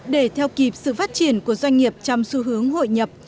để theo kịp sự phát triển của doanh nghiệp trong xu hướng hội nhập